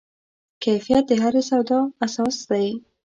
کیفیت د هرې سودا اساس دی.